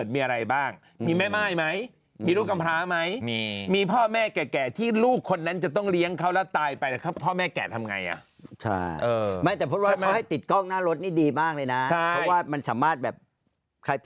มันสามารถแบบใครผิดใครถูกอะไรอย่างนี้ได้เลย